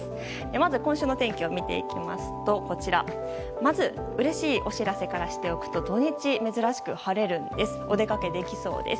まず今週の天気を見ていきますとまずうれしいお知らせからしておくと土日珍しく晴れてお出かけできそうです。